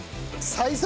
最速！